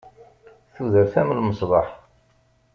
Tudert am lmesbeḥ.